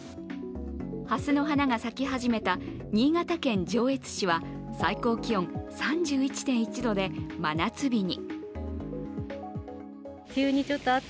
はすの花が咲き始めた新潟県上越市は最高気温３１．１度で真夏日に。